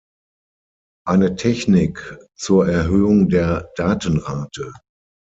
Eine Technik zur Erhöhung der Datenrate.